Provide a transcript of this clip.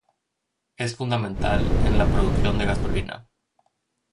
Es fundamental en la producción de gasolina.